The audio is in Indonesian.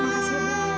terima kasih neng